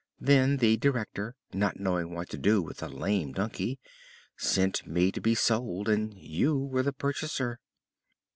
Then the director, not knowing what to do with a lame donkey, sent me to be sold, and you were the purchaser!"